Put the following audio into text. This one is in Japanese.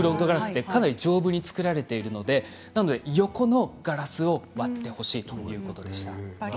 かなり丈夫に作られているので横のガラスを割ってほしいということでした。